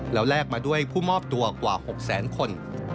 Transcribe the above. แล้วแลกมาด้วยผู้มอบตัวกว่า๖แสนคน